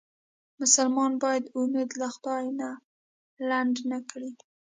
مسلمان باید امید له خدای نه لنډ نه کړي.